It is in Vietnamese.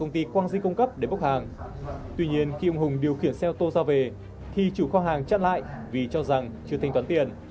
tuy nhiên khi ông hùng điều khiển xe ô tô ra về thì chủ kho hàng chát lại vì cho rằng chưa thanh toán tiền